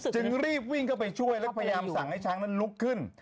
จึงรีบวิ่งเข้าไปช่วยแล้วพยายามสั่งให้ช้างนั้นลุกขึ้น